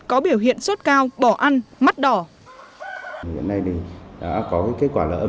có biểu hiện suất cao bỏ ăn mắt đỏ